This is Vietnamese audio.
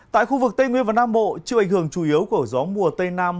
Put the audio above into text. tại khu vực tây nguyên và nam bộ chịu ảnh hưởng chủ yếu của gió mùa tây nam